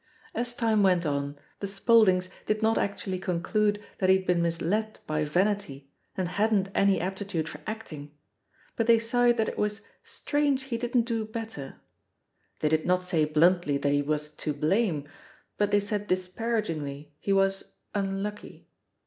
As time went on, the Spauldings did not actually conclude that he had been misled by vanity and hadn't any aptitude for acting, but they sighed that it was "strange he didn't do better"; they did not say bluntly that he was to blame," but they said disparagingly he was unlucky."